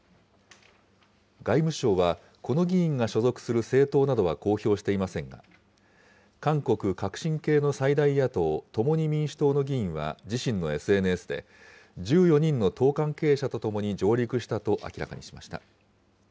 外務省は、この議員が所属する政党などは公表していませんが、韓国・革新系の最大野党・共に民主党の議員は自身のＳＮＳで、１４人の党関係者と共に上陸したと明らかにしました。